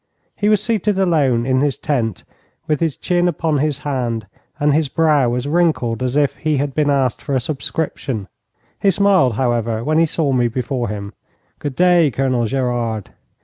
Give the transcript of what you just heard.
He was seated alone in his tent, with his chin upon his hand, and his brow as wrinkled as if he had been asked for a subscription. He smiled, however, when he saw me before him. 'Good day, Colonel Gerard.'